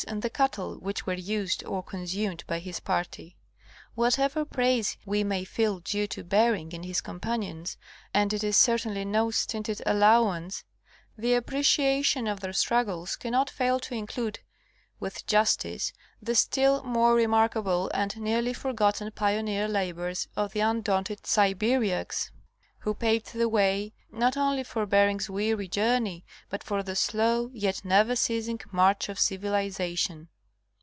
and the cattle which were used or consumed by his party. Whatever praise we may feel due to Bering and his companions, and it is certainly no stinted allowance, the appreciation of their struggles cannot fail to include with justice, the still more re markable and nearly forgotten pioneer labors of the undaunted Siberiaks, who paved the way, not only for Bering's weary jour ney, but for the slow yet never ceasing march of civilization.